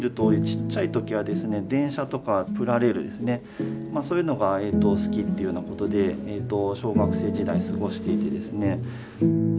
電車とかプラレールですねそういうのが好きっていうようなことで小学生時代過ごしていてですね。